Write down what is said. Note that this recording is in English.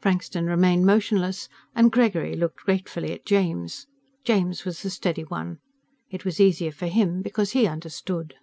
Frankston remained motionless and Gregory looked gratefully at James. James was the steady one. It was easier for him because he understood.